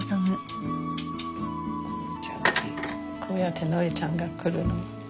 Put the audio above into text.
こうやってノリちゃんが来るの。